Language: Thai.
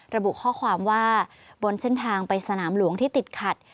ระบุข้อความว่าบนเส้นทางไปสนามหลวงที่ติดขัด